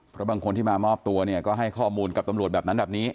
เพราะบางคนที่มามอบตัวเนี่ยก็ให้ข้อมูลกับตำรวจแบบนั้นแบบนี้